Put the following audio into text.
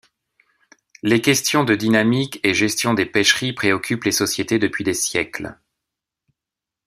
Les questions de dynamique et gestion des pêcheries préoccupent les sociétés depuis des siècles.